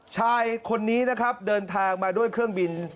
ชายคนนี้นะครับเดินทางมาด้วยเครื่องบิน